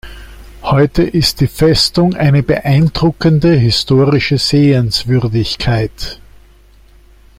Heute ist die Festung eine beeindruckende historische Sehenswürdigkeit.